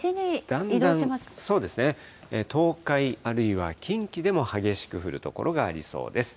だんだん、そうですね、東海、あるいは近畿でも激しく降る所がありそうです。